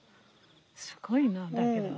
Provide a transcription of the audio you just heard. すごいなだけど。